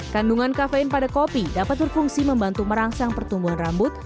kandungan kafein pada kopi dapat berfungsi membantu merangsang pertumbuhan rambut